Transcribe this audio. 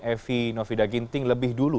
evi novida ginting lebih dulu